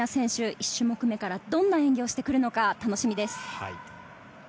１種目目からどんな演技をしてくるのか楽しみです。